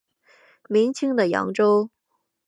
明清的扬州。